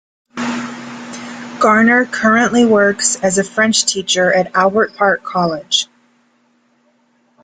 Garner currently works as a French teacher at Albert Park College.